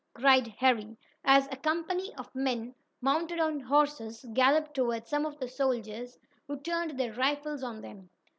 cried Harry, as a company of men, mounted on horses, galloped toward some of the soldiers, who turned their rifles on them.